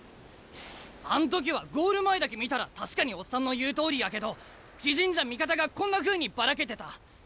あん時はゴール前だけ見たら確かにオッサンの言うとおりやけど自陣じゃ味方がこんなふうにばらけてた。